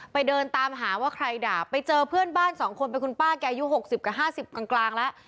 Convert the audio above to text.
ไปเดินตามหาว่าใครด่าไปเจอเพื่อนบ้านสองคนเป็นคุณป้าแกอยู่หกสิบกันห้าสิบกลางกลางแล้ว